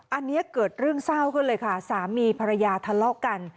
อันนี้เกิดเรื่องเศร้าขึ้นเลยค่ะสามีภรรยาทะเลาะกัน